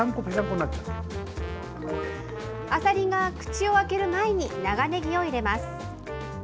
アサリが口を開ける前に、長ねぎを入れます。